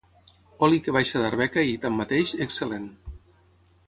Oli que baixa d'Arbeca i, tanmateix, excel·lent.